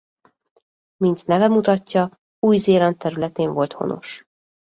Mint neve mutatja Új-Zéland területén volt honos.